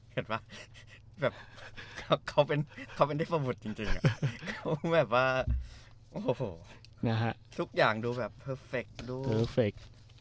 เห็นป่ะเขาเป็นได้ประบวนจริงแบบว่าทุกอย่างดูแบบเพอร์เฟค